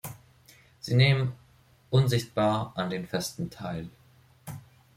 Sie nehmen unsichtbar an den Festen teil.